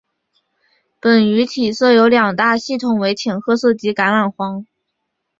本鱼体色有两大系统为浅褐色及橄榄黄。